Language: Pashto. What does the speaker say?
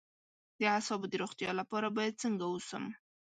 د اعصابو د روغتیا لپاره باید څنګه اوسم؟